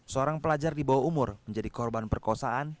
seorang pelajar di bawah umur menjadi korban perkosaan